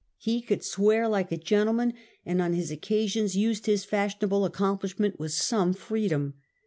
He could swear like a gentleman, and on his occasions used his fashionable accomplishment with some freedom.